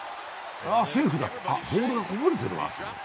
セーフだあ、ボールがこぼれてるわ。